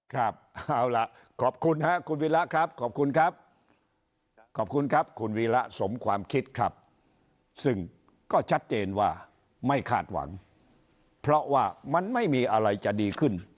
ครับเอาล่ะขอบคุณครับคุณวีระครับขอบคุณครับขอบคุณครับคุณวีระสมความคิดครับซึ่งก็ชัดเจนว่าไม่คาดหวังเพราะว่ามันไม่มีอะไรจะดีขึ้น